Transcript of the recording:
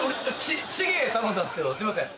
チゲ頼んだんすけどすいません。